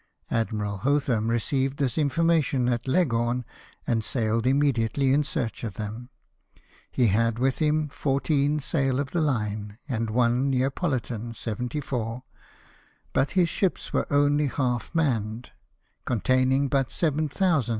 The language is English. Admiral Hotham received this information at Leg horn, and sailed immediately in search of them. He had with him fourteen sail of the line, and one Neapolitan 74 ; but his ships were only half manned, ENGAGEMENT WITH THE FRENCH FLEET.